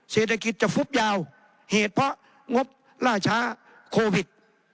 เศรษฐกิจจะฟุบยาวเหตุเพราะงบล่าช้าโควิด